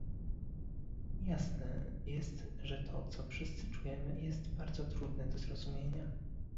Jasne jest, że to, co wszyscy czujemy, jest bardzo trudne do zrozumienia